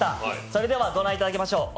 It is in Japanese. それでは御覧いただきましょう。